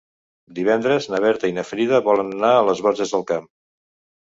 Divendres na Berta i na Frida volen anar a les Borges del Camp.